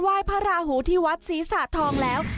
พระราหูที่วัดศรีสะทองแล้ว